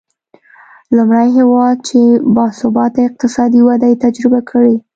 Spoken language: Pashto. لومړی هېواد چې با ثباته اقتصادي وده یې تجربه کړې.